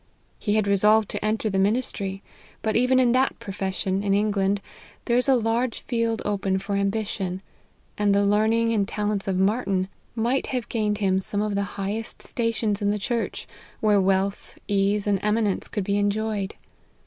He had resolved to enter the ministry : but even in that profession, in England, there is a large field open for ambition, and the learning and talents of Martyn might have gained him some of the 20 LIFE OF HENRY MARTYN. highest stations in the church, where wealth, ease, and eminence could be enjoyed.